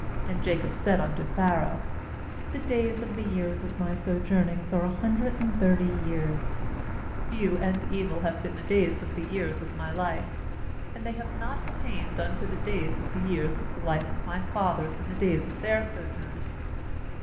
9And Jacob said unto Pharaoh: "The days of the years of my sojourn ings are a hundred and thirty years; few and evil have been the days of the years of my life, and they have not attained unto the days of the years of the life of my fathers in the days of their soj ournings.'